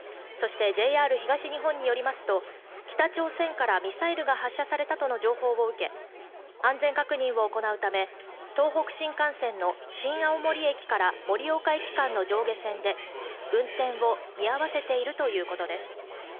ＪＲ東日本によりますと、北朝鮮からミサイルが発射されたとの情報を受け、安全確認を行うため、東北新幹線の新青森駅から盛岡駅間の上下線で運転を見合わせているということです。